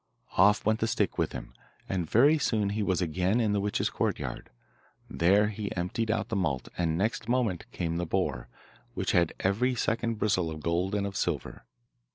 Off went the stick with him, and very soon he was again in the witch's courtyard. There he emptied out the malt, and next moment came the boar, which had every second bristle of gold and of silver.